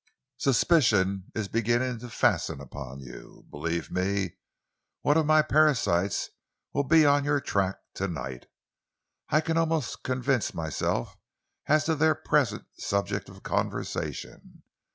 Suspicion is beginning to fasten upon you. Believe me, one of my parasites will be on your track to night. I can almost convince myself as to their present subject of conversation.